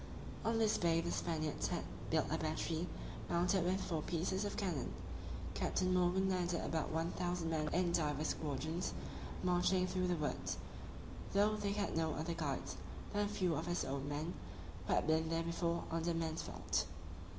On this bay the Spaniards had built a battery, mounted with four pieces of cannon. Captain Morgan landed about one thousand men in divers squadrons, marching through the woods, though they had no other guides than a few of his own men, who had been there before, under Mansvelt.